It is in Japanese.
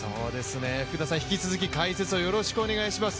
引き続き解説をよろしくお願いします。